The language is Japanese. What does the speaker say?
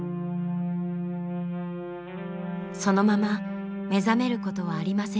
そのまま目覚めることはありませんでした。